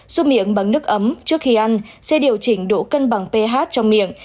xúc miệng bằng nước ấm trước khi ăn sẽ điều chỉnh độ cân bằng ph trong miệng